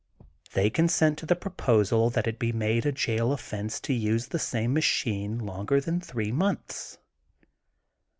They consent to the proposal that it be made a jail offense to use the same ma chine longer than three months.